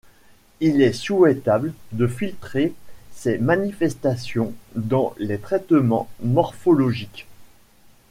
Il est souhaitable de filtrer ces manifestations dans les traitements morphologiques.